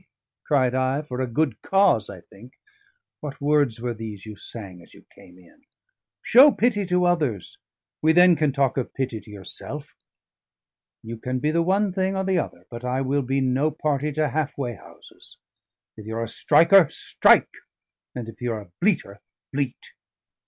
cried I. "For a good cause, I think. What words were these you sang as you came in? Show pity to others, we then can talk of pity to yourself. You can be the one thing or the other, but I will be no party to half way houses. If you're a striker, strike, and if you're a bleater, bleat!"